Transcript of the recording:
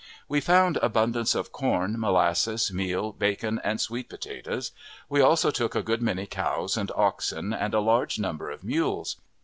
We found abundance of corn, molasses, meal, bacon, and sweet potatoes. We also took a good many cows and oxen, and a large number of mules.